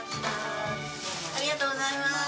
ありがとうございます。